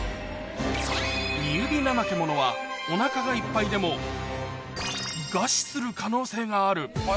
ミユビナマケモノは、おなかがいっぱいでも餓死する可能性がある。